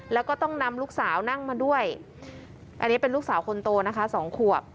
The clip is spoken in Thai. แล้วก็ต้องนำลูกสาวนั่งมาด้วยอันนี้เป็นลูกสาวคนโตนะคะสองขวบ